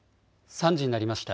３時になりました。